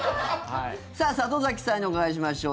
さあ、里崎さんにお伺いしましょう。